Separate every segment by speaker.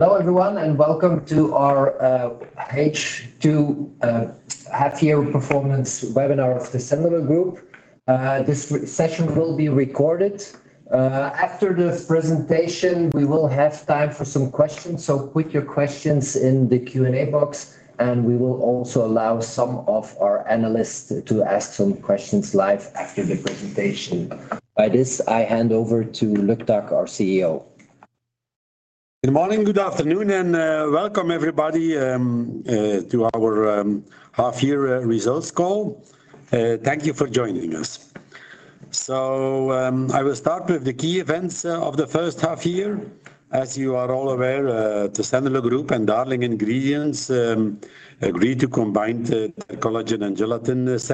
Speaker 1: Hello everyone, and welcome to our H2 Half Year Performance Webinar of Tessenderlo Group. This session will be recorded. After the presentation, we will have time for some questions, so put your questions in the Q&A box, and we will also allow some of our analysts to ask some questions live after the presentation. By this, I hand over to Luc Tack, our CEO.
Speaker 2: Good morning, good afternoon, and Welcome everybody to our Half Year Results call. Thank you for joining us. I will start with the key events of the first half year. As you are all aware, Tessenderlo Group and Darling Ingredients agreed to combine the collagen and gelatin Machines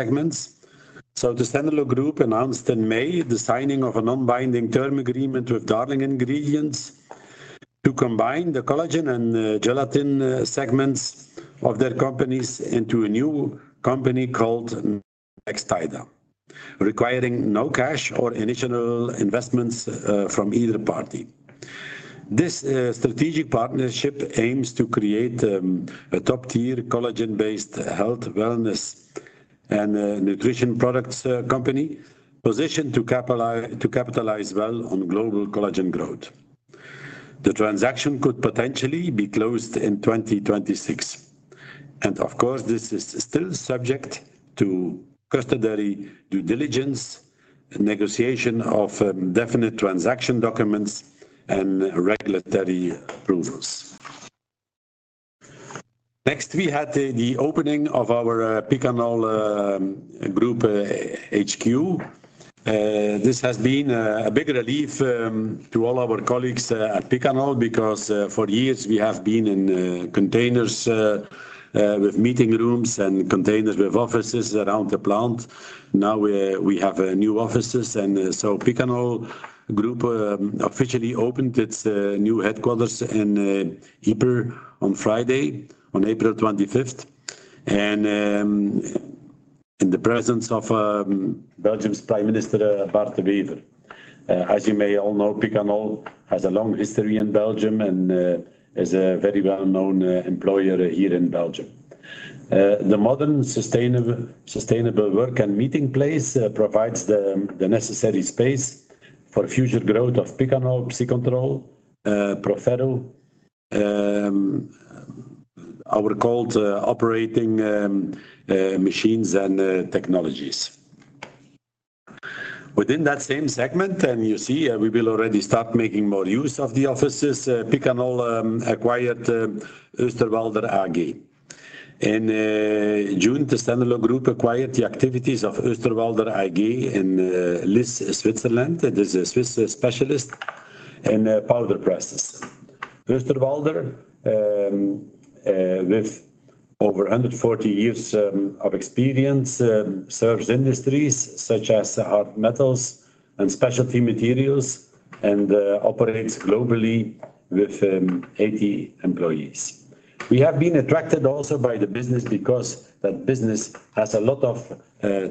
Speaker 2: & Technologiess. Tessenderlo Group announced in May the signing of a non-binding term agreement with Darling Ingredients to combine the collagen and gelatin segments of their companies into a new company called Nextida, requiring no cash or initial investments from either party. This strategic partnership aims to create a top-tier collagen-based health, wellness, and nutrition products company positioned to capitalize well on global collagen growth. The transaction could potentially be closed in 2026. Of course, this is still subject to custody, due diligence, and negotiation of definite transaction documents and regulatory approvals. Next, we had the opening of our Picanol Group HQ. This has been a big relief to all our colleagues at Picanol because for years we have been in containers with meeting rooms and containers with offices around the plant. Now we have new offices, and Picanol Group officially opened its new headquarters in Ieper, on Friday, April 25th, in the presence of Belgium's Prime Minister, Bart De Wever. As you may all know, Picanol has a long history in Belgium and is a very well-known employer here in Belgium. The modern, sustainable work and meeting place provides the necessary space for future growth of Picanol, Psicontrol, Proferro, our cold operating machines and technologies. Within that same segment, and you see we will already start making more use of the offices, Picanol acquired Osterwalder AG. In June, Tessenderlo Group acquired the activities of Osterwalder AG in Lyss, Switzerland. It is a Swiss specialist in powder presses. Osterwalder, with over 140 years of experience, serves industries such as hard metals and specialty materials and operates globally with 80 employees. We have been attracted also by the business because that business has a lot of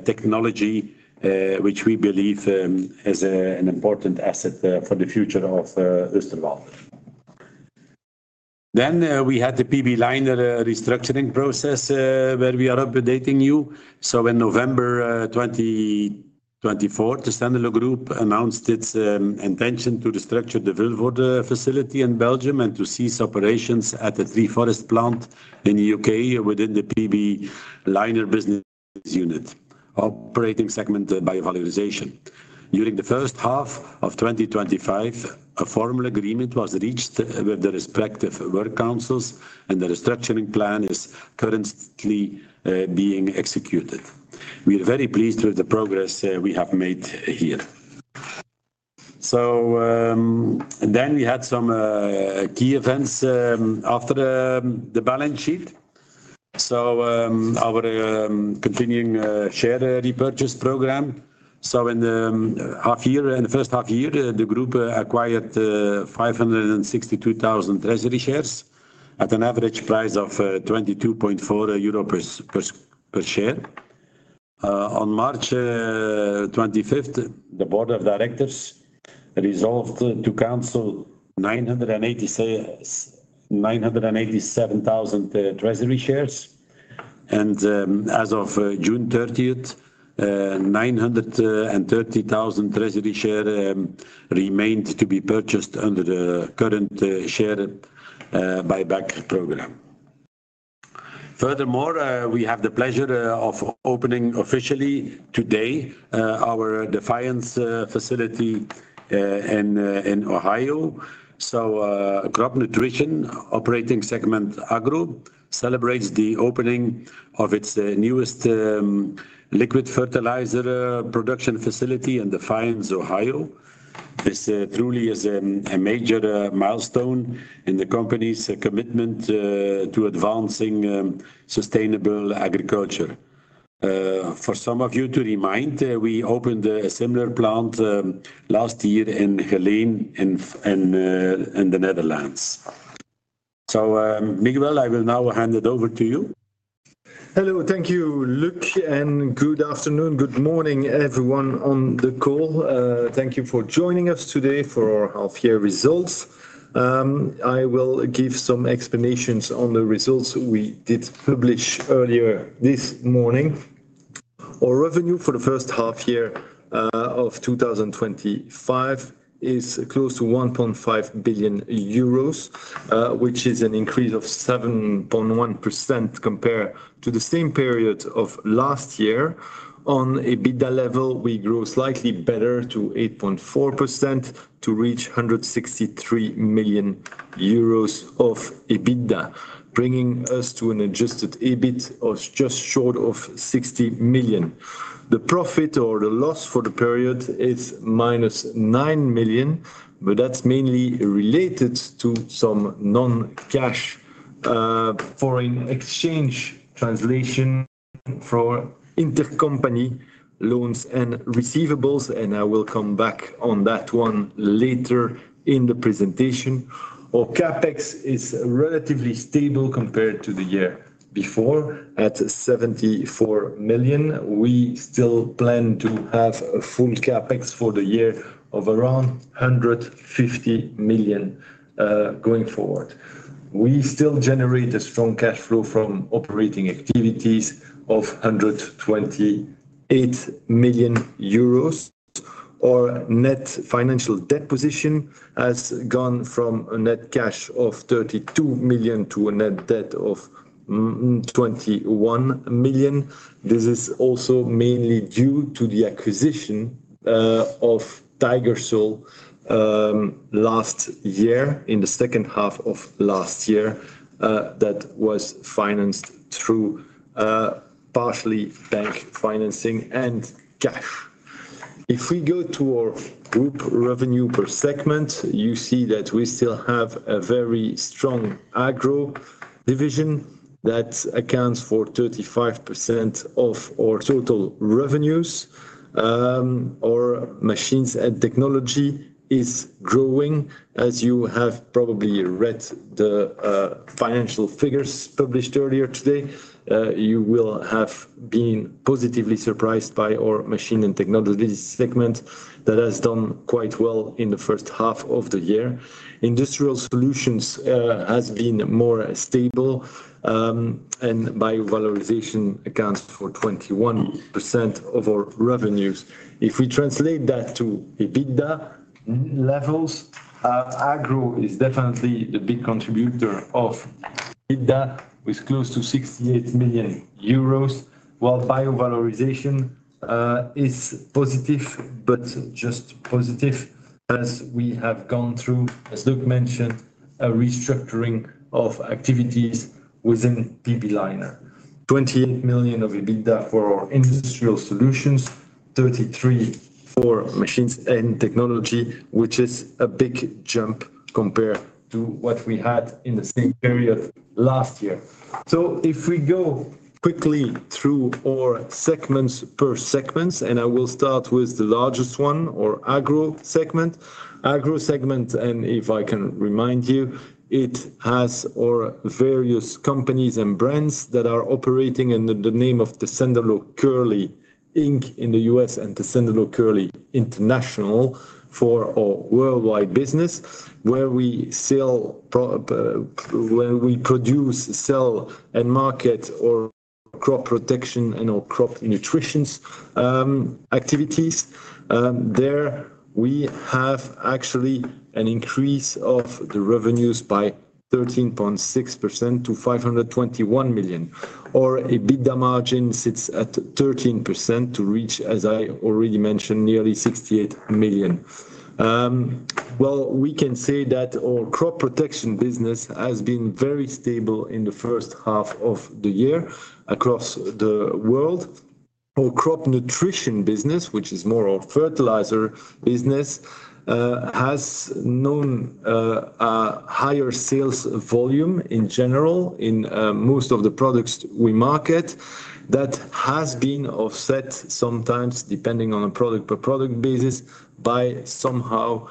Speaker 2: technology, which we believe is an important asset for the future of Osterwalder. We had the PB Leiner restructuring process where we are updating you. In November 2024, Tessenderlo Group announced its intention to restructure the Vilvoorde facility in Belgium and to cease operations at the Treforest plant in the UK within the PB Leiner business unit, operating segment Bio-valorization. During the first half of 2025, a formal agreement was reached with the respective work councils, and the restructuring plan is currently being executed. We are very pleased with the progress we have made here. We had some key events after the balance sheet. Our continuing share repurchase program, in the first half year, the group acquired 562,000 treasury shares at an average price of 22.40 euro per share. On March 25th, the Board of Directors resolved to cancel 987,000 treasury shares. As of June 30th, 930,000 treasury shares remained to be purchased under the current share buyback program. Furthermore, we have the pleasure of opening officially today our Defiance facility in Ohio. Crop Nutrition operating segment Agro celebrates the opening of its newest liquid fertilizer production facility in Defiance, Ohio. This truly is a major milestone in the company's commitment to advancing sustainable agriculture. For some of you to remind, we opened a similar plant last year in Geleen, Netherlands. Miguel, I will now hand it over to you.
Speaker 3: Hello, thank you, Luc, and good afternoon, good morning everyone on the call. Thank you for joining us today for our half year results. I will give some explanations on the results we did publish earlier this morning. Our revenue for the first half year of 2025 is close to 1.5 billion euros, which is an increase of 7.1% compared to the same period of last year. On EBITDA level, we grow slightly better to 8.4% to reach 163 million euros of EBITDA, bringing us to an adjusted EBIT of just short of 60 million. The profit or the loss for the period is minus 9 million, but that's mainly related to some non-cash foreign exchange translation for intercompany loans and receivables, and I will come back on that one later in the presentation. Our CAPEX is relatively stable compared to the year before. At 74 million, we still plan to have a full CAPEX for the year of around 150 million going forward. We still generate a strong cash flow from operating activities of 128 million euros. Our net financial debt position has gone from a net cash of 32 million to a net debt of 21 million. This is also mainly due to the acquisition of Tiger-Sul last year, in the second half of last year, that was financed through partially bank financing and cash. If we go to our group revenue per segment, you see that we still have a very strong Agro division that accounts for 35% of our total revenues. Our Machines & Technologies is growing. As you have probably read the financial figures published earlier today, you will have been positively surprised by our Machines & Technologies segment that has done quite well in the first half of the year. Industrial Solutions has been more stable, and Bio-valorization accounts for 21% of our revenues. If we translate that to EBITDA levels, Agro is definitely a big contributor of EBITDA with close to 68 million euros, while Bio-valorization is positive, but just positive. We have gone through, as Luc mentioned, a restructuring of activities within PB Leiner. 28 million of EBITDA for our Industrial Solutions, 33 million for Machines & Technologies, which is a big jump compared to what we had in the same period last year. If we go quickly through our segments per segment, and I will start with the largest one, our Agro segment. Agro segment, and if I can remind you, it has our various companies and brands that are operating under the name of Tessenderlo Kerley, Inc., In the U.S. and Tessenderlo Kerley International for our worldwide business, where we produce, sell, and market our crop protection and our crop nutrition activities, there, we have actually an increase of the revenues by 13.6% to 521 million. Our EBITDA margin sits at 13% to reach, as I already mentioned, nearly EUR 68 million. Our crop protection business has been very stable in the first half of the year across the world. Our crop nutrition business, which is more our fertilizer business, has known a higher sales volume in general in most of the products we market. That has been offset sometimes, depending on a product-per-product basis, by somehow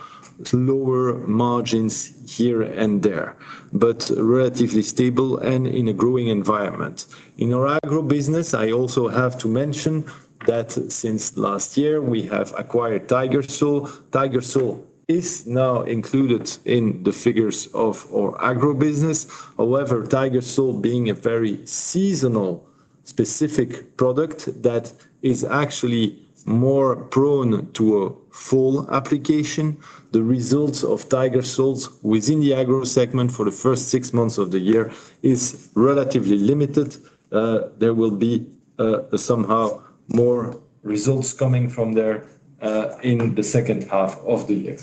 Speaker 3: lower margins here and there, but relatively stable and in a growing environment. In our Agro business, I also have to mention that since last year, we have acquired Tiger-Sul. Tiger-Sul is now included in the figures of our Agro business. However, Tiger-Sul, being a very seasonal specific product that is actually more prone to a full application, the results of Tiger-Sul within the Agro segment for the first six months of the year are relatively limited. There will be somehow more results coming from there in the second half of the year.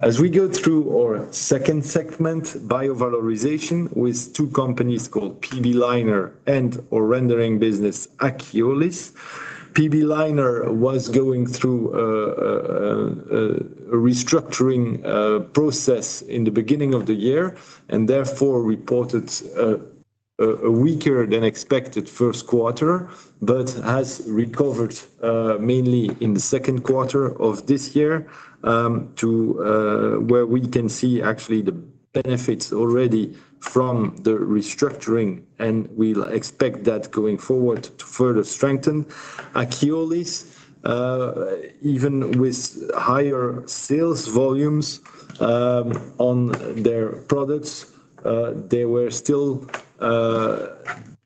Speaker 3: As we go through our second segment, Bio-valorization, with two companies called PB Leiner and our rendering business Akiolis. PB Leiner was going through a restructuring process in the beginning of the year and therefore reported a weaker than expected first quarter, but has recovered mainly in the second quarter of this year to where we can see actually the benefits already from the restructuring, and we expect that going forward to further strengthen. Akiolis, even with higher sales volumes on their products,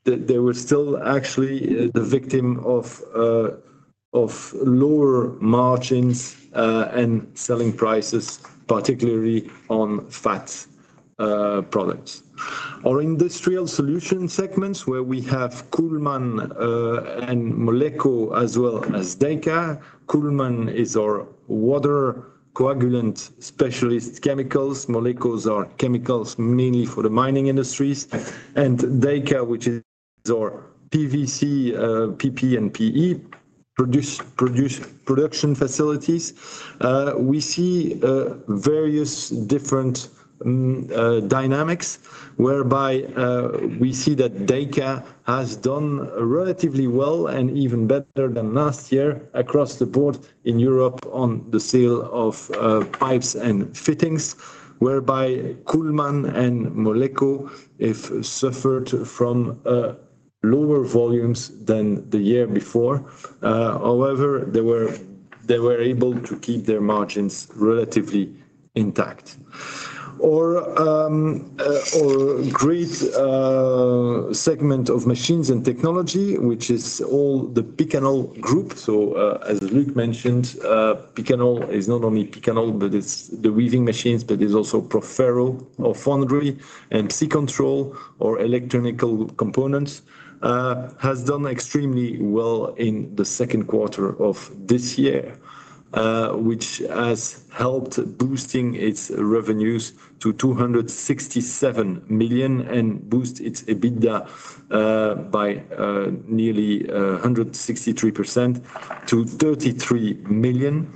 Speaker 3: they were still actually the victim of lower margins and selling prices, particularly on fat products. Our industrial solution segments, where we have Kuhlmann and Moleco, as well as DYKA. Kuhlmann is our water coagulant specialist chemicals. Moleco is our chemicals mainly for the mining industries. And DYKA, which is our PVC, PP, and PE production facilities. We see various different dynamics whereby we see that DYKA has done relatively well and even better than last year across the board in Europe on the sale of pipes and fittings, whereby Kuhlmann and Moleco suffered from lower volumes than the year before. However, they were able to keep their margins relatively intact. Our grease segment of Machines & Technologies, which is all the Picanol Group. So as Luc mentioned, Picanol is not only Picanol, but it's the weaving machines, but it's also Proferro or Foundry and Psicontrol or electronical components, has done extremely well in the second quarter of this year, which has helped boost its revenues to 267 million and boost its EBITDA by nearly 163% to 33 million.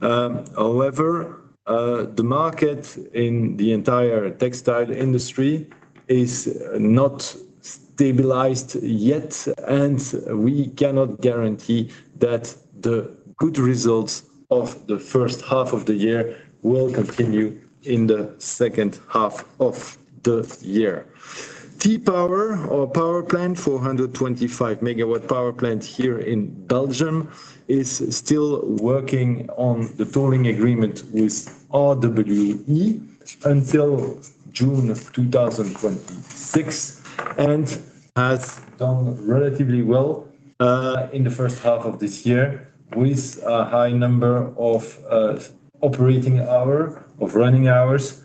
Speaker 3: However, the market in the entire textile industry is not stabilized yet, and we cannot guarantee that the good results of the first half of the year will continue in the second half of the year. T-Power, our power plant, 425 megawatt power plant here in Belgium, is still working on the tolling agreement with RWE until June 2026 and has done relatively well in the first half of this year with a high number of operating hours, of running hours,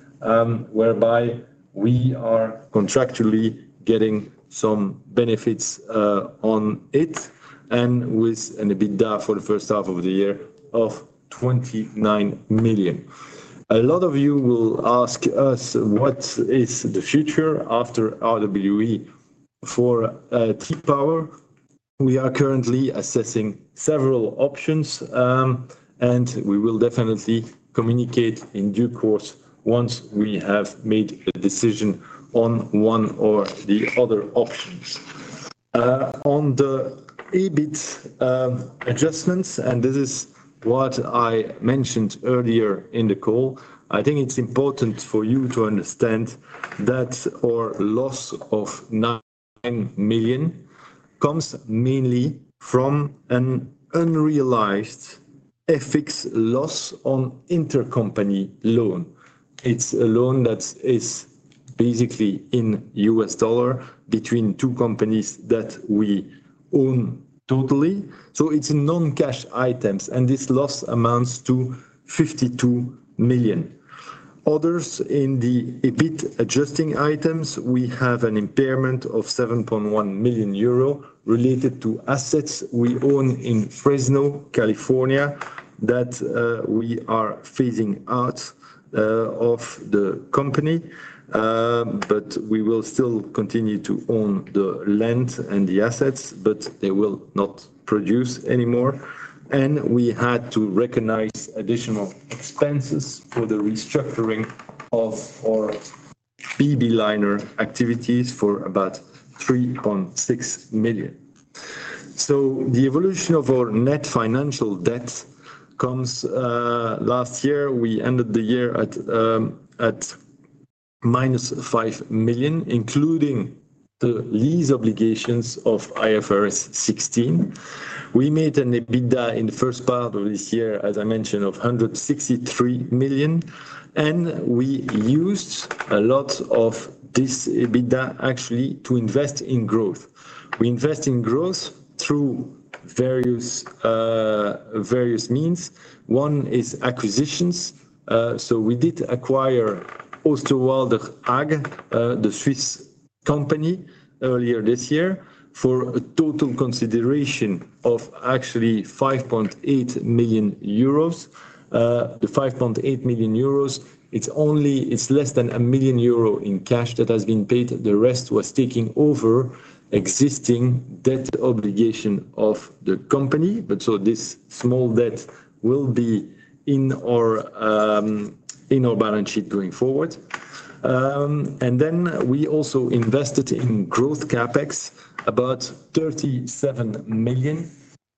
Speaker 3: whereby we are contractually getting some benefits on it and with an EBITDA for the first half of the year of 29 million. A lot of you will ask us what is the future after RWE for T-Power. We are currently assessing several options, and we will definitely communicate in due course once we have made a decision on one or the other options. On the EBIT adjustments, and this is what I mentioned earlier in the call, I think it's important for you to understand that our loss of 9 million comes mainly from an unrealized FX loss on intercompany loan. It's a loan that is basically in U.S. dollar between two companies that we own totally. So it's a non-cash item, and this loss amounts to 52 million. Others in the EBIT adjusting items, we have an impairment of 7.1 million euro related to assets we own in Fresno, California, that we are phasing out of the company. We will still continue to own the land and the assets, but they will not produce anymore. We had to recognize additional expenses for the restructuring of our PB Leiner activities for about 3.6 million. The evolution of our net financial debt comes last year, we ended the year at 5 million, including the lease obligations of IFRS 16. We made an EBITDA in the first part of this year, as I mentioned, of 163 million, and we used a lot of this EBITDA actually to invest in growth. We invest in growth through various means. One is acquisitions. We did acquire Osterwalder AG, the Swiss company, earlier this year for a total consideration of actually 5.8 million euros. The 5.8 million euros, it's only less than 1 million euro in cash that has been paid. The rest was taken over existing debt obligation of the company, so this small debt will be in our balance sheet going forward. We also invested in growth CAPEX, about 37 million.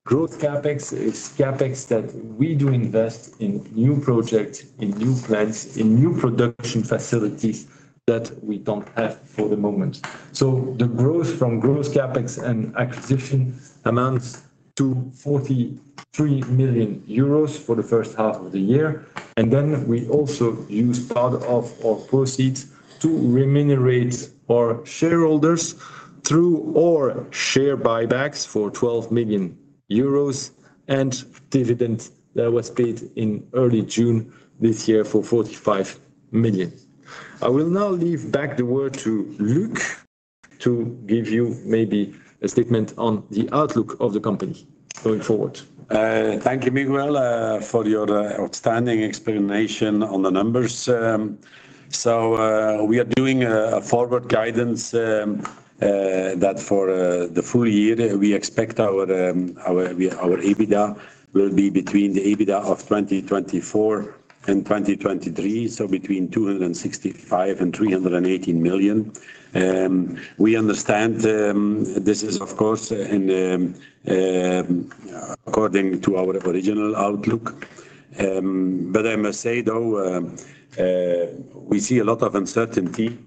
Speaker 3: Growth CAPEX is CAPEX that we do invest in new projects, in new plants, in new production facilities that we don't have for the moment. The growth from growth CAPEX and acquisition amounts to 43 million euros for the first half of the year. We also used part of our proceeds to remunerate our shareholders through our share buybacks for 12 million euros and dividend that was paid in early June this year for 45 million. I will now leave back the word to Luc to give you maybe a statement on the outlook of the company going forward.
Speaker 2: Thank you, Miguel, for your outstanding explanation on the numbers. We are doing a forward guidance that for the full year, we expect our EBITDA will be between the EBITDA of 2024 and 2023, so between 265 million and 318 million. We understand this is, of course, according to our original outlook. I must say, though, we see a lot of uncertainty,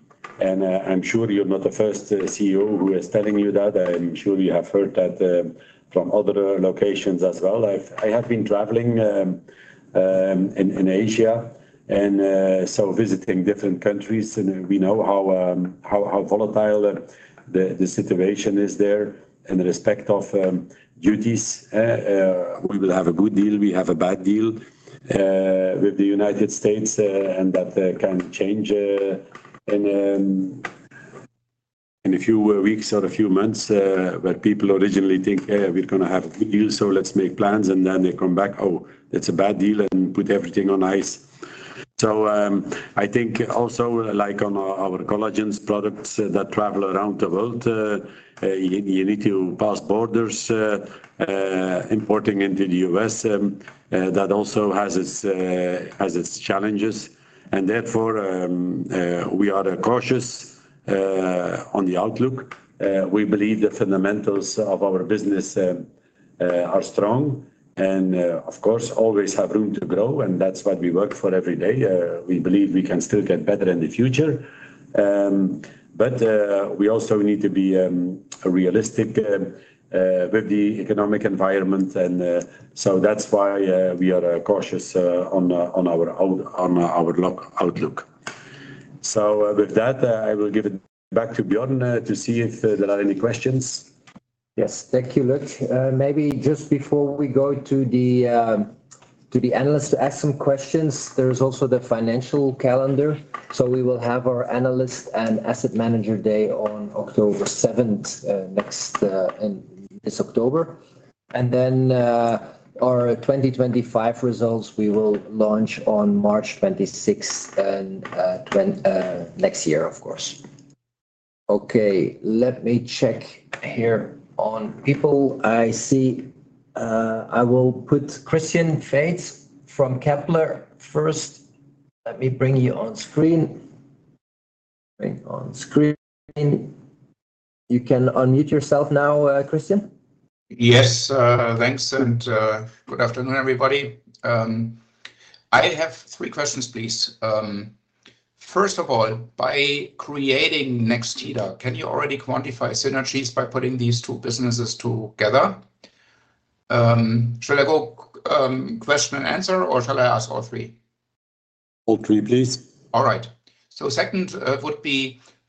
Speaker 2: and I'm sure you're not the first CEO who is telling you that. I'm sure you have heard that from other locations as well. I have been traveling in Asia and visiting different countries, and we know how volatile the situation is there in respect of duties. We will have a good deal, we have a bad deal with the United States, and that can change in a few weeks or a few months where people originally think, "Hey, we're going to have a good deal, so let's make plans," and then they come back, "Oh, it's a bad deal," and put everything on ice. I think also, like on our collagen products that travel around the world, you need to pass borders, importing into the U.S. That also has its challenges. Therefore, we are cautious on the outlook. We believe the fundamentals of our business are strong and, of course, always have room to grow, and that's what we work for every day. We believe we can still get better in the future. We also need to be realistic with the economic environment, and that's why we are cautious on our outlook. With that, I will give it back to Bjorn to see if there are any questions.
Speaker 1: Yes, thank you, Luc. Maybe just before we go to the analysts to ask some questions, there's also the financial calendar. We will have our analyst and asset manager day on October 7th, next in this October. Our 2025 results we will launch on March 26th next year, of course. Okay, let me check here on people. I see, I will put Christian Faitz from Kepler first. Let me bring you on screen. You can unmute yourself now, Christian.
Speaker 4: Yes, thanks, and good afternoon, everybody. I have three questions, please. First of all, by creating Nextida, can you already quantify synergies by putting these two businesses together? Shall I go question and answer, or shall I ask all three?
Speaker 3: All three, please.
Speaker 4: All right. Second,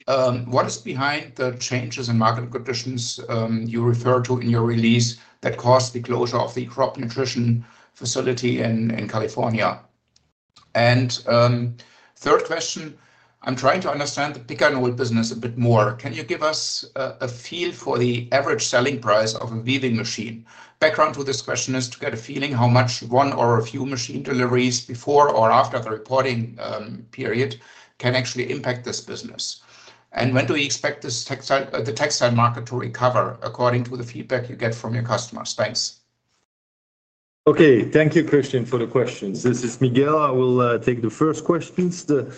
Speaker 4: what is behind the changes in market conditions you refer to in your release that caused the closure of the crop nutrition facility in California? Third question, I'm trying to understand the Picanol business a bit more. Can you give us a feel for the average selling price of a weaving machine? Background to this question is to get a feeling how much one or a few machine deliveries before or after the reporting period can actually impact this business. When do we expect the textile market to recover according to the feedback you get from your customers? Thanks.
Speaker 3: Okay, thank you, Christian, for the questions. This is Miguel. I will take the first questions. The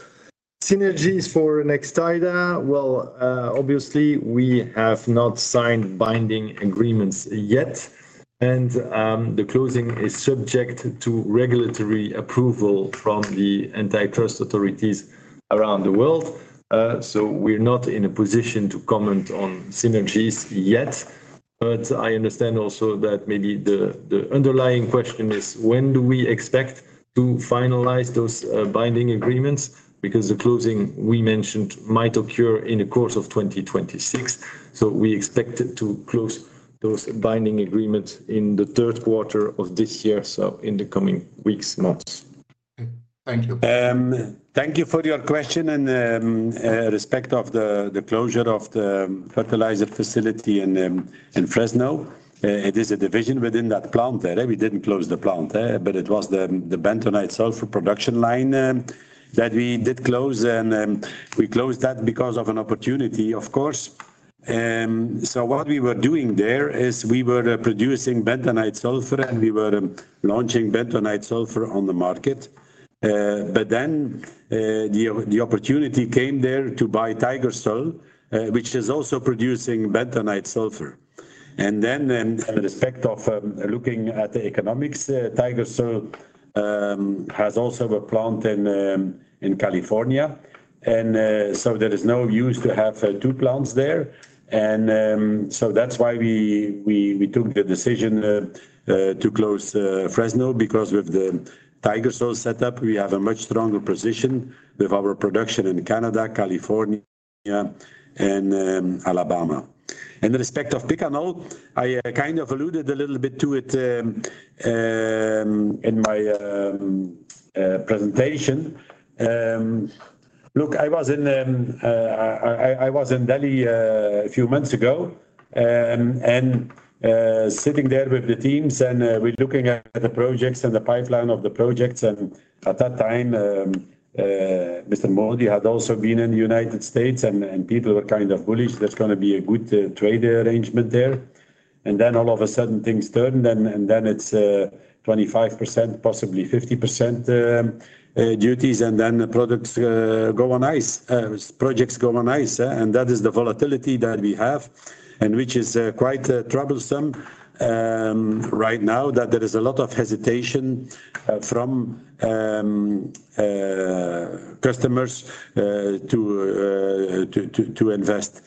Speaker 3: synergies for Nextida, obviously, we have not signed binding agreements yet, and the closing is subject to regulatory approval from the antitrust authorities around the world. We are not in a position to comment on synergies yet. I understand also that maybe the underlying question is when do we expect to finalize those binding agreements because the closing we mentioned might occur in the course of 2026. We expect to close those binding agreements in the third quarter of this year, in the coming weeks, months.
Speaker 4: Thank you.
Speaker 2: Thank you for your question and the respect of the closure of the fertilizer facility in Fresno. It is a division within that plant there. We didn't close the plant, but it was the bentonite sulfur production line that we did close, and we closed that because of an opportunity, of course. What we were doing there is we were producing bentonite sulfur, and we were launching bentonite sulfur on the market. The opportunity came there to buy Tiger-Sul, which is also producing bentonite sulfur. In respect of looking at the economics, Tiger-Sul has also a plant in California, and there is no use to have two plants there. That is why we took the decision to close Fresno because with the Tiger-Sul setup, we have a much stronger position with our production in Canada, California, and Alabama. In respect of Picanol, I kind of alluded a little bit to it in my presentation. I was in Delhi a few months ago and sitting there with the teams, and we're looking at the projects and the pipeline of the projects. At that time, [Mr. Modi] had also been in the United States, and people were kind of bullish that's going to be a good trade arrangement there. All of a sudden, things turn, and it's 25%, possibly 50% duties, and then products go on ice, projects go on ice. That is the volatility that we have, and which is quite troublesome right now that there is a lot of hesitation from customers to invest.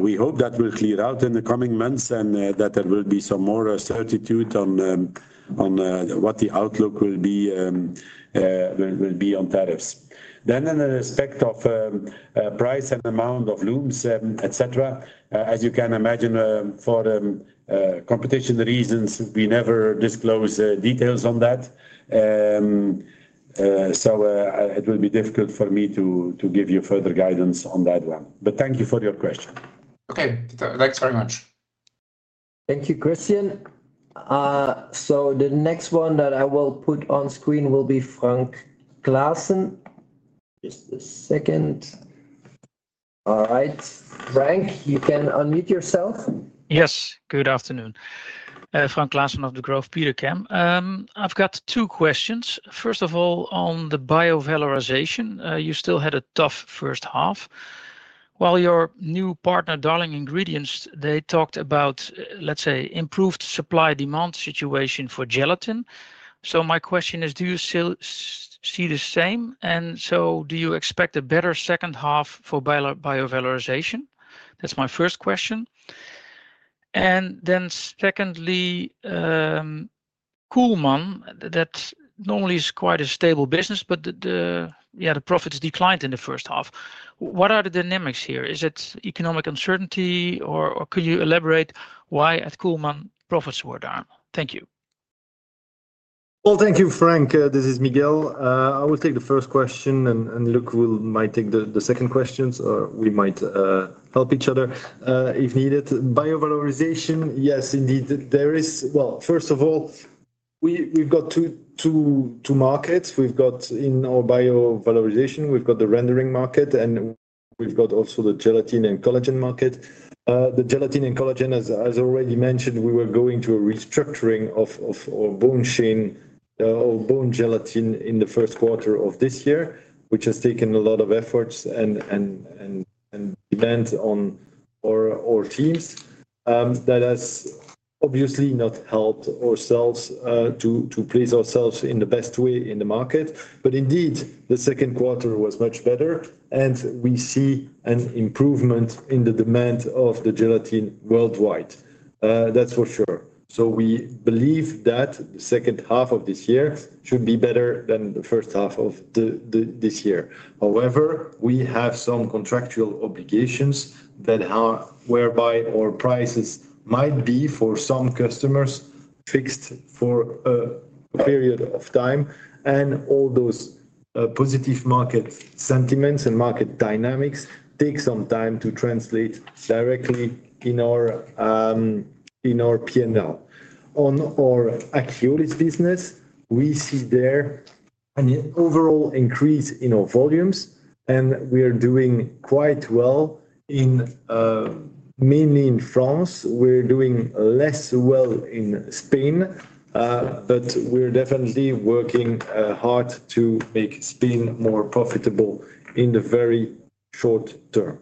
Speaker 2: We hope that will clear out in the coming months and that there will be some more certitude on what the outlook will be on tariffs. In respect of price and amount of looms, etc., as you can imagine, for competition reasons, we never disclose details on that. It will be difficult for me to give you further guidance on that one. Thank you for your question.
Speaker 4: Okay, thanks very much.
Speaker 1: Thank you, Christian. The next one that I will put on screen will be Frank Claassen. Just a second. All right, Frank, you can unmute yourself.
Speaker 5: Yes, good afternoon. Frank Klaassen of the [Grove P, again]. I've got two questions. First of all, on the Bio-valorization, you still had a tough first half. While your new Darling Ingredients, they talked about, let's say, improved supply-demand situation for gelatin. My question is, do you still see the same? Do you expect a better second half for Bio-valorization? That's my first question. Secondly, Kuhlmann, that normally is quite a stable business, but the profits declined in the first half. What are the dynamics here? Is it economic uncertainty, or could you elaborate why at Kuhlmann profits were down? Thank you.
Speaker 3: Thank you, Frank. This is Miguel. I will take the first question, and Luc might take the second question, or we might help each other if needed. Bio-valorization, yes, indeed. First of all, we've got two markets. We've got in our Bio-valorization, we've got the rendering market, and we've got also the gelatin and collagen market. The gelatin and collagen, as already mentioned, we were going to a restructuring of our bone chain or bone gelatin in the first quarter of this year, which has taken a lot of efforts and demand on our teams. That has obviously not helped ourselves to place ourselves in the best way in the market. Indeed, the second was much better, and we see an improvement in the demand of the gelatin worldwide. That's for sure. We believe that the second half of this year should be better than the first half of this year. However, we have some contractual obligations whereby our prices might be for some customers fixed for a period of time. All those positive market sentiments and market dynamics take some time to translate directly in our P&L. On our Achiolis business, we see there an overall increase in our volumes, and we are doing quite well mainly in France. We're doing less well in Spain, but we're definitely working hard to make Spain more profitable in the very short term.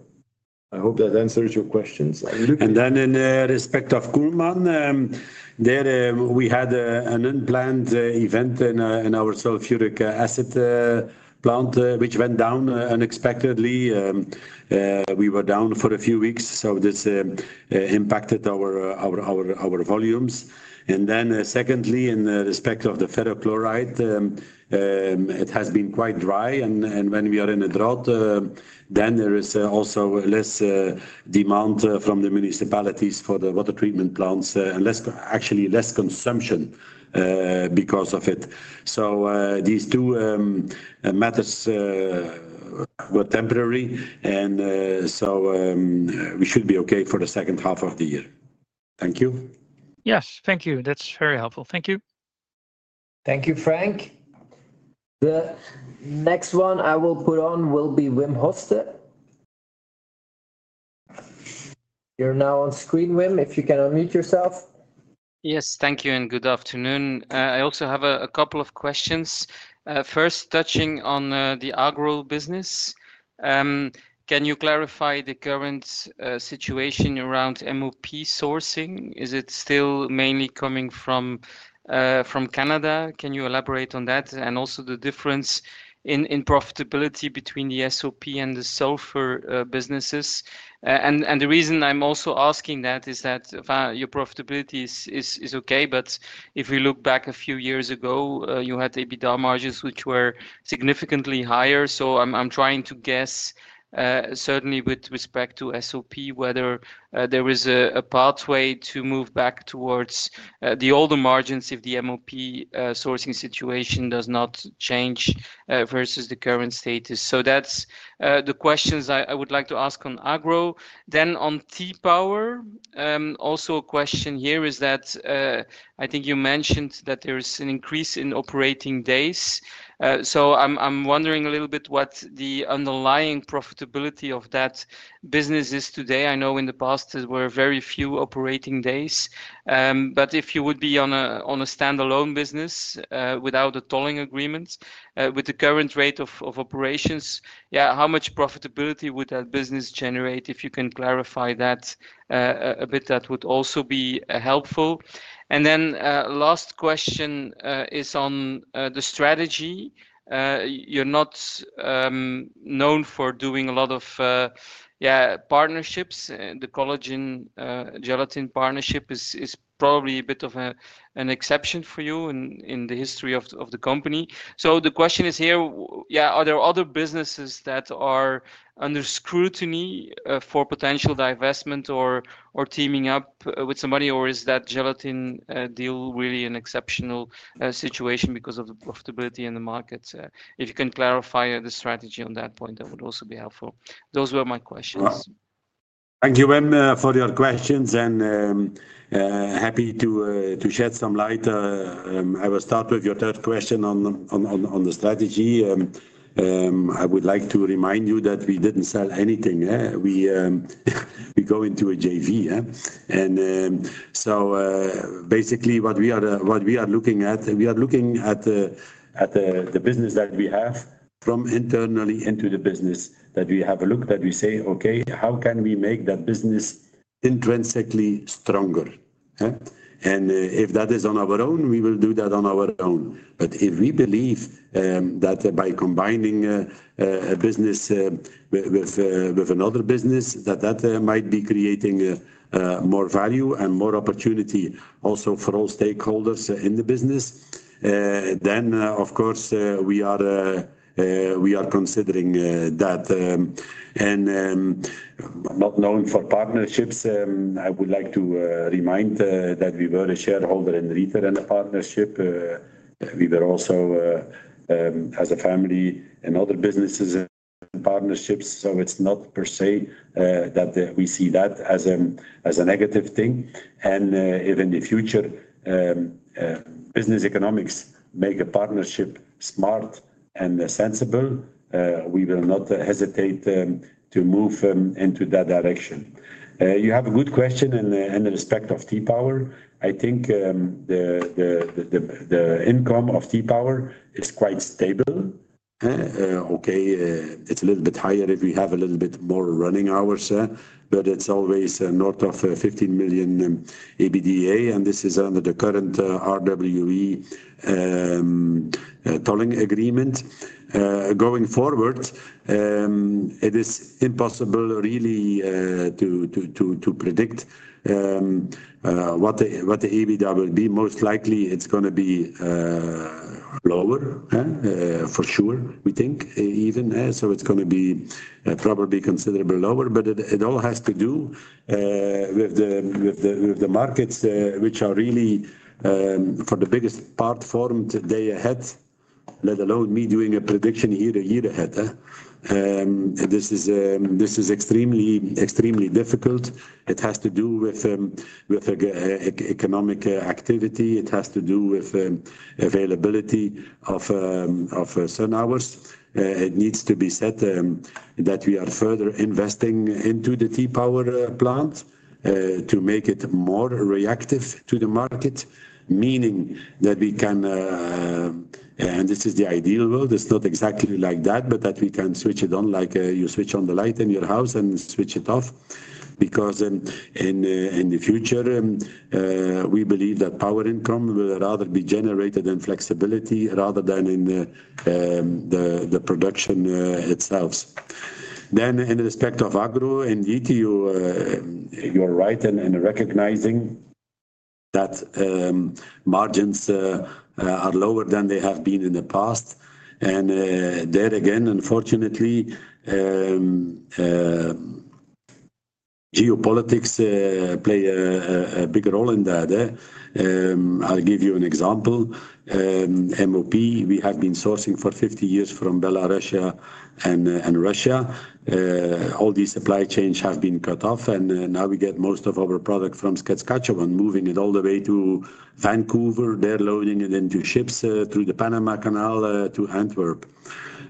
Speaker 3: I hope that answers your questions.
Speaker 2: In the respect of Kuhlmann, we had an unplanned event in our sulfuric acid plant, which went down unexpectedly. We were down for a few weeks, so this impacted our volumes. Secondly, in the respect of the ferrochloride, it has been quite dry, and when we are in a drought, then there is also less demand from the municipalities for the water treatment plants and actually less consumption because of it. These two matters were temporary, and we should be okay for the second half of the year. Thank you.
Speaker 5: Yes, thank you. That's very helpful. Thank you.
Speaker 1: Thank you, Frank. The next one I will put on will be Wim Hoste. You're now on screen, Wim, if you can unmute yourself.
Speaker 6: Yes, thank you, and good afternoon. I also have a couple of questions. First, touching on the agro business, can you clarify the current situation around MOP sourcing? Is it still mainly coming from Canada? Can you elaborate on that? Also, the difference in profitability between the SOP and the sulfur businesses. The reason I'm also asking that is that your profitability is okay, but if we look back a few years ago, you had EBITDA margins which were significantly higher. I'm trying to guess, certainly with respect to SOP, whether there is a pathway to move back towards the older margins if the MOP sourcing situation does not change versus the current status. Those are the questions I would like to ask on Agro. On T-Power, also a question here is that I think you mentioned that there is an increase in operating days. I'm wondering a little bit what the underlying profitability of that business is today. I know in the past there were very few operating days. If you would be on a standalone business without a tolling agreement, with the current rate of operations, how much profitability would that business generate? If you can clarify that a bit, that would also be helpful. Last question is on the strategy. You're not known for doing a lot of partnerships. The collagen gelatin partnership is probably a bit of an exception for you in the history of the company. The question is here, are there other businesses that are under scrutiny for potential divestment or teaming up with somebody, or is that gelatin deal really an exceptional situation because of the profitability in the market? If you can clarify the strategy on that point, that would also be helpful. Those were my questions.
Speaker 2: Thank you, Wim, for your questions, and happy to shed some light. I will start with your third question on the strategy. I would like to remind you that we didn't sell anything. We go into a joint venture. Basically, what we are looking at, we are looking at the business that we have from internally into the business that we have a look that we say, "Okay, how can we make that business intrinsically stronger?" If that is on our own, we will do that on our own. If we believe that by combining a business with another business, that might be creating more value and more opportunity also for all stakeholders in the business, of course we are considering that. Not known for partnerships, I would like to remind that we were a shareholder in Rita and a partnership. We were also as a family in other businesses and partnerships. It is not per se that we see that as a negative thing. If in the future business economics make a partnership smart and sensible, we will not hesitate to move into that direction. You have a good question in the respect of T-Power. I think the income of T-Power is quite stable. It is a little bit higher if we have a little bit more running hours, but it is always north of 15 million EBITDA, and this is under the current RWE tolling agreement. Going forward, it is impossible really to predict what the EBITDA will be. Most likely, it is going to be lower, for sure, we think even. It is going to be probably considerably lower, but it all has to do with the markets, which are really, for the biggest part, formed day ahead, let alone me doing a prediction year ahead. This is extremely difficult. It has to do with economic activity. It has to do with availability of sun hours. It needs to be said that we are further investing into the T-Power plant to make it more reactive to the market, meaning that we can, and this is the ideal world, it is not exactly like that, but that we can switch it on, like you switch on the light in your house and switch it off. In the future, we believe that power income will rather be generated in flexibility rather than in the production itself. In respect of Agro and ETU, you are right in recognizing that margins are lower than they have been in the past. There again, unfortunately, geopolitics play a big role in that. I'll give you an example. MOP, we have been sourcing for 50 years from Belarus and Russia. All these supply chains have been cut off, and now we get most of our product from Saskatchewan, moving it all the way to Vancouver. They're loading it into ships through the Panama Canal to Antwerp.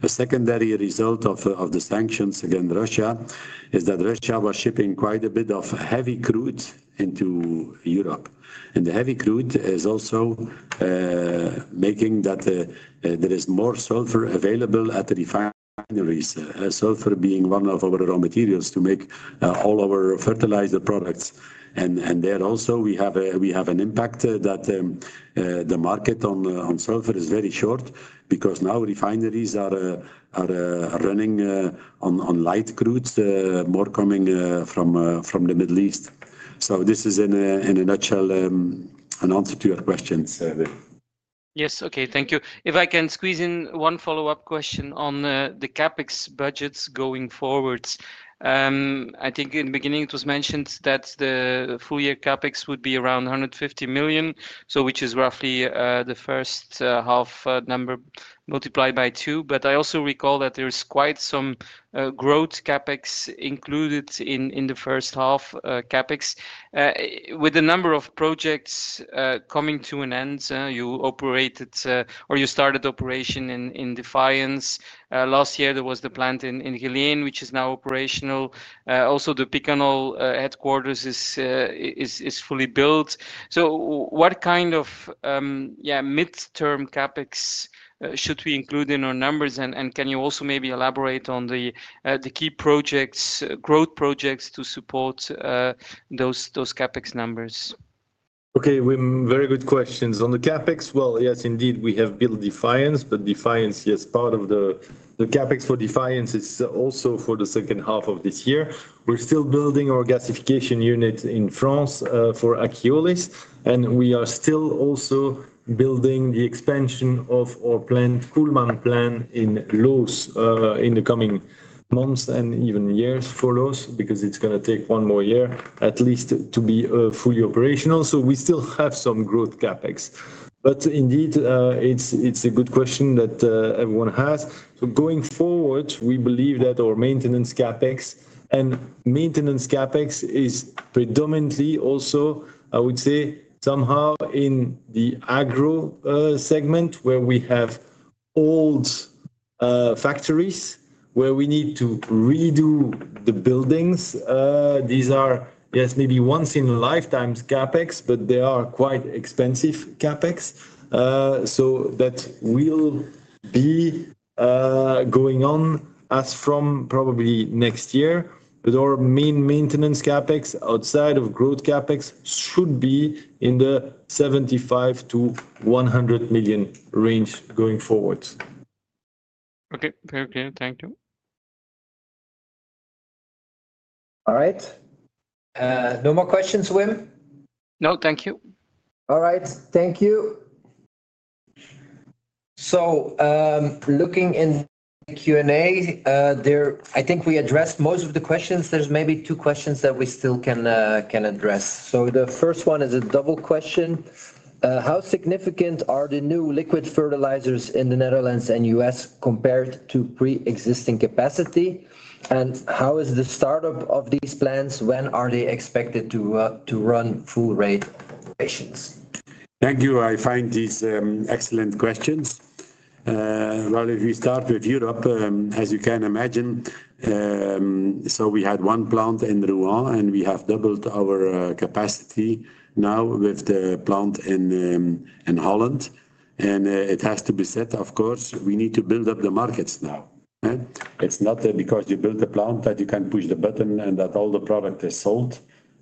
Speaker 2: A secondary result of the sanctions against Russia is that Russia was shipping quite a bit of heavy crude into Europe. The heavy crude is also making that there is more sulfur available at the refineries, sulfur being one of our raw materials to make all our fertilizer products. There also, we have an impact that the market on sulfur is very short because now refineries are running on light crude, more coming from the Middle East. This is, in a nutshell, an answer to your questions.
Speaker 6: Yes, okay, thank you. If I can squeeze in one follow-up question on the CAPEX budgets going forward. I think in the beginning, it was mentioned that the full-year CAPEX would be around 150 million, which is roughly the first half number multiplied by two. I also recall that there is quite some growth CAPEX included in the first half CAPEX. With the number of projects coming to an end, you operated or you started operation in Defiance. Last year, there was the plant in Geleen, which is now operational. Also, the Picanol Group headquarters is fully built. What kind of midterm CAPEX should we include in our numbers? Can you also maybe elaborate on the key projects, growth projects to support those CAPEX numbers?
Speaker 3: Okay, Wim, very good questions. On the CAPEX, yes, indeed, we have built Defiance, but Defiance, yes, part of the CAPEX for Defiance is also for the second half of this year. We're still building our gasification unit in France for Achiolis, and we are still also building the expansion of our Kuhlmann plant in Loos in the coming months and even years for Loos because it's going to take one more year, at least, to be fully operational. We still have some growth CAPEX. It's a good question that everyone has. Going forward, we believe that our maintenance CAPEX, and maintenance CAPEX is predominantly also, I would say, somehow in the agro segment where we have old factories where we need to redo the buildings. These are, yes, maybe once-in-a-lifetime CAPEX, but they are quite expensive CAPEX. That will be going on as from probably next year. Our main maintenance CAPEX outside of growth CAPEX should be in the 75-100 million range going forward.
Speaker 6: Okay, very clear. Thank you.
Speaker 1: All right. No more questions, Wim?
Speaker 4: No, thank you.
Speaker 1: All right, thank you. Looking in the Q&A, I think we addressed most of the questions. There's maybe two questions that we still can address. The first one is a double question. How significant are the new liquid fertilizers in the Netherlands and U.S. compared to pre-existing capacity? How is the startup of these plans? When are they expected to run full rate patients?
Speaker 2: Thank you. I find these excellent questions. If we start with Europe, as you can imagine, we had one plant in [Rouen] and we have doubled our capacity now with the plant in Holland. It has to be said, of course, we need to build up the markets now. It's not because you build the plant that you can push the button and that all the product is sold.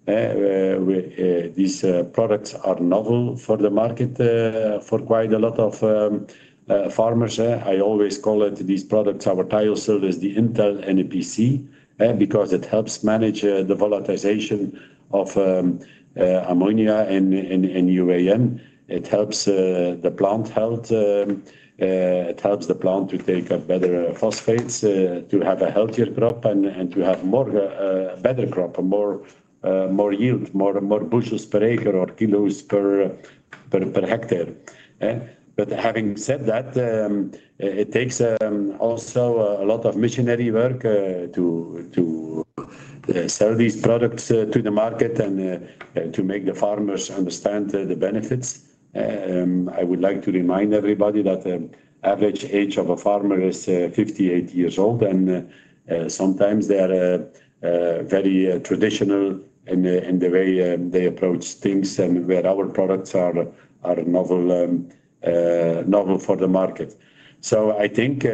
Speaker 2: These products are novel for the market for quite a lot of farmers. I always call it these products, our Tiger-Sul, as the Intel NPC because it helps manage the volatilization of ammonia in UAN. It helps the plant health. It helps the plant to take up better phosphates, to have a healthier crop, and to have a better crop, more yield, more bushels per acre or kilos per hectare. Having said that, it takes also a lot of missionary work to sell these products to the market and to make the farmers understand the benefits. I would like to remind everybody that the average age of a farmer is 58 years old, and sometimes they are very traditional in the way they approach things and where our products are novel for the market. I think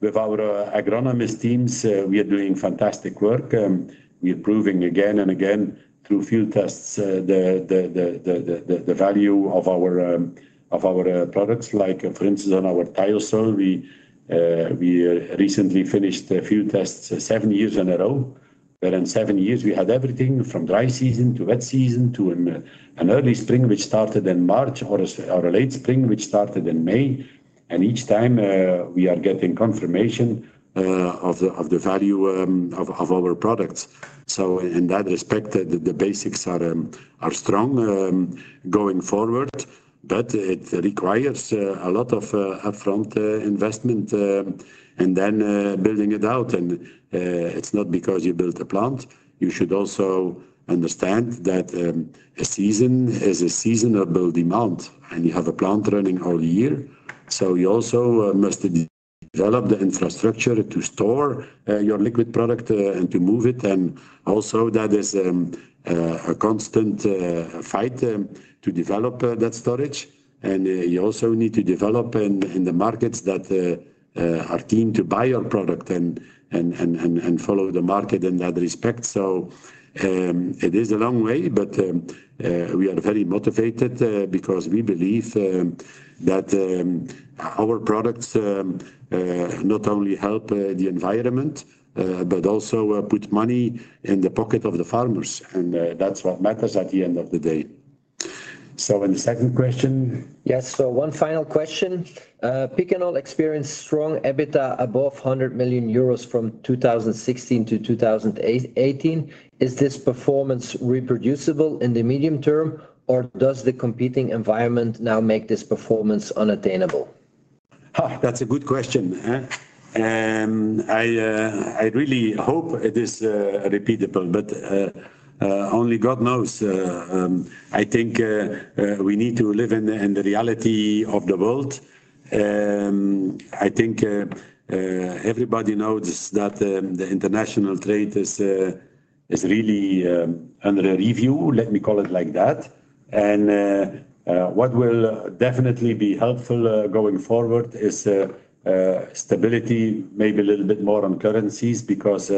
Speaker 2: with our agronomist teams, we are doing fantastic work. We are proving again and again through field tests the value of our products. For instance, on our Tiger-Sul, we recently finished field tests seven years in a row. In seven years, we had everything from dry season to wet season to an early spring, which started in March, or a late spring, which started in May. Each time, we are getting confirmation of the value of our products. In that respect, the basics are strong going forward, but it requires a lot of upfront investment and then building it out. It's not because you built a plant. You should also understand that a season is a season of build demand, and you have a plant running all year. You also must develop the infrastructure to store your liquid product and to move it. Also, that is a constant fight to develop that storage. You also need to develop in the markets that are keen to buy your product and follow the market in that respect. It is a long way, but we are very motivated because we believe that our products not only help the environment, but also put money in the pocket of the farmers. That's what matters at the end of the day. In the second question.
Speaker 1: Yes, so one final question. Picanol experienced strong EBITDA above 100 million euros from 2016 to 2018. Is this performance reproducible in the medium term, or does the competing environment now make this performance unattainable?
Speaker 2: That's a good question. I really hope it is repeatable, but only God knows. I think we need to live in the reality of the world. I think everybody knows that international trade is really under review, let me call it like that. What will definitely be helpful going forward is stability, maybe a little bit more on currencies, because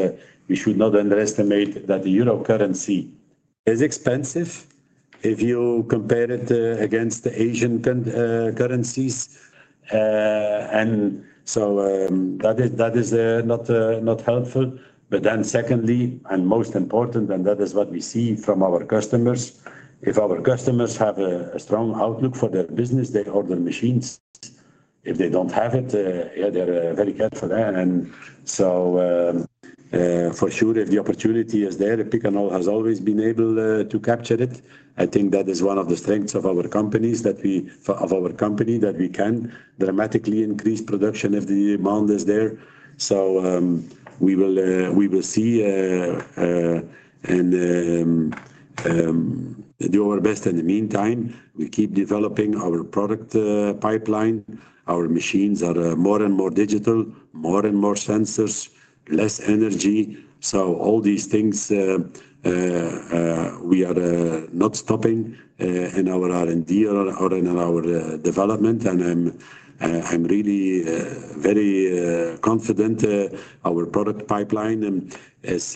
Speaker 2: we should not underestimate that the euro currency is expensive if you compare it against the Asian currencies. That is not helpful. Secondly, and most important, and that is what we see from our customers, if our customers have a strong outlook for their business, they order machines. If they don't have it, they're very careful. For sure, if the opportunity is there, Picanol has always been able to capture it. I think that is one of the strengths of our company, that we can dramatically increase production if the demand is there. We will see and do our best in the meantime. We keep developing our product pipeline. Our machines are more and more digital, more and more sensors, less energy. All these things, we are not stopping in our R&D or in our development. I'm really very confident our product pipeline is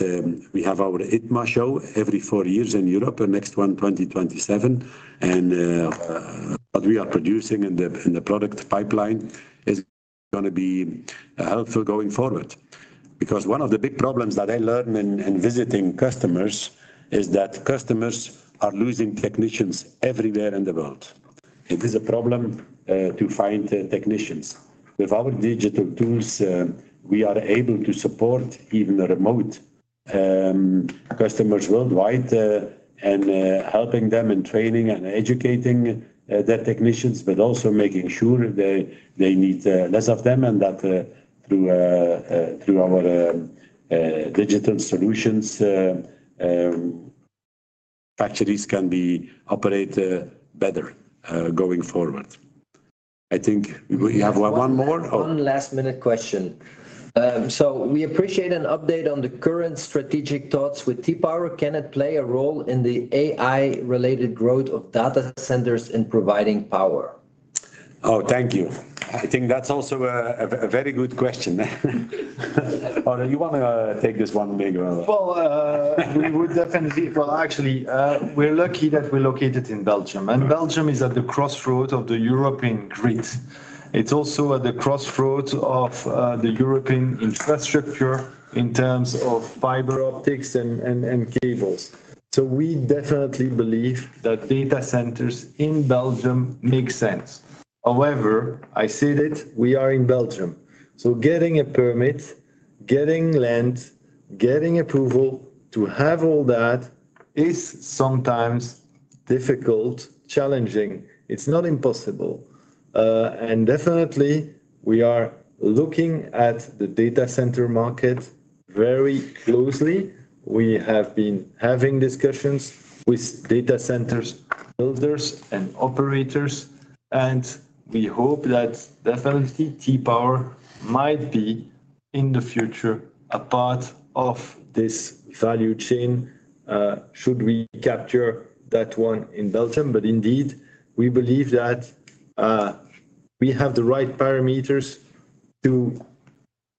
Speaker 2: we have our ITMA show every four years in Europe, the next one in 2027. What we are producing in the product pipeline is going to be helpful going forward. One of the big problems that I learned in visiting customers is that customers are losing technicians everywhere in the world. It is a problem to find technicians. With our digital tools, we are able to support even remote customers worldwide and helping them in training and educating their technicians, but also making sure they need less of them and that through our digital solutions, factories can operate better going forward. I think we have one more.
Speaker 1: One last minute question. We appreciate an update on the current strategic thoughts with T-Power. Can it play a role in the AI-related growth of data centers in providing power?
Speaker 2: Thank you. I think that's also a very good question. Do you want to take this one, Miguel?
Speaker 3: We would definitely call it. Actually, we're lucky that we're located in Belgium. Belgium is at the crossroads of the European grid. It's also at the crossroads of the European infrastructure in terms of fiber optics and cables. We definitely believe that data centers in Belgium make sense. However, I said it, we are in Belgium. Getting a permit, getting land, getting approval to have all that is sometimes difficult, challenging. It's not impossible. We are looking at the data center market very closely. We have been having discussions with data center builders and operators, and we hope that definitely T-Power might be in the future a part of this value chain should we capture that one in Belgium. Indeed, we believe that we have the right parameters to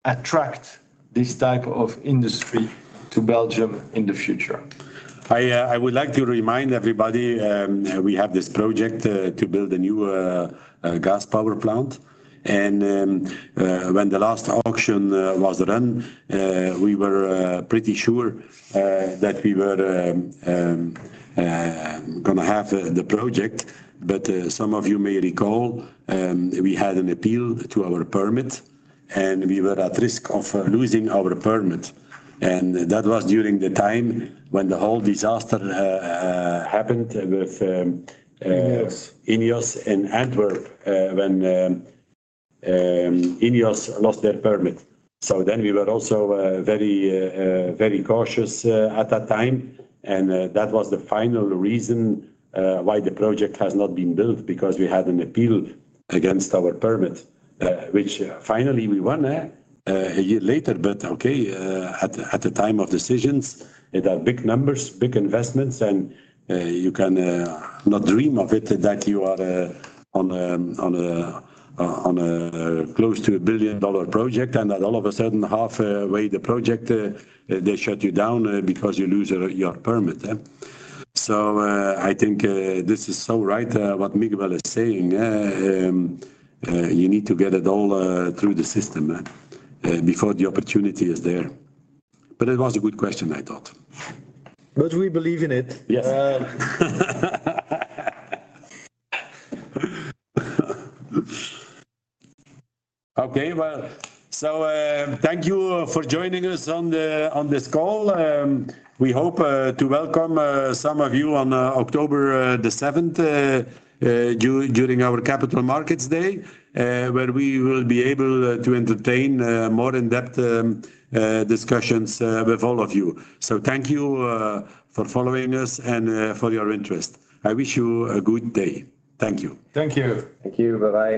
Speaker 3: attract this type of industry to Belgium in the future.
Speaker 2: I would like to remind everybody we have this project to build a new gas power plant. When the last auction was run, we were pretty sure that we were going to have the project. Some of you may recall we had an appeal to our permit, and we were at risk of losing our permit. That was during the time when the whole disaster happened with INEOS in Antwerp when INEOS lost their permit. We were also very cautious at that time. That was the final reason why the project has not been built, because we had an appeal against our permit, which finally we won a year later. At the time of decisions, there are big numbers, big investments, and you cannot dream of it that you are on a close to a EUR1 billion project, and that all of a sudden, halfway through the project, they shut you down because you lose your permit. I think this is so right what Miguel is saying. You need to get it all through the system before the opportunity is there. It was a good question, I thought.
Speaker 3: We believe in it.
Speaker 2: Okay, thank you for joining us on this call. We hope to welcome some of you on October 7th during our Capital Markets Day, where we will be able to entertain more in-depth discussions with all of you. Thank you for following us and for your interest. I wish you a good day. Thank you.
Speaker 1: Thank you.
Speaker 3: Thank you. Bye-bye.